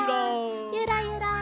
ゆらゆら。